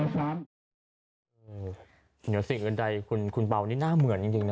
สิ่งอื่นคุณบาวนี่น่าเหมือนจริงเนอะ